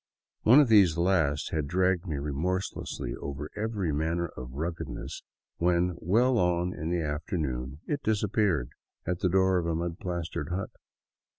One of these last had dragged me remorse lessly over every manner of ruggedness when, well on in the afternoon, it disappeared at the door of a mud plastered hut.